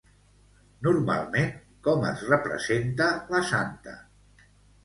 Normalment com es representa la santa?